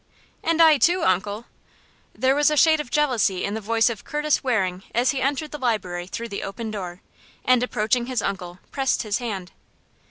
"And I, too, uncle." There was a shade of jealousy in the voice of Curtis Waring as he entered the library through the open door, and approaching his uncle, pressed his hand.